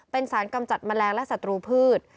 เป็นสารกำจัดแมลงและศัตรูพืช